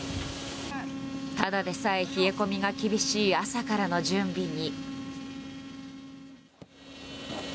ただでさえ冷え込みが厳しい朝からの準備に。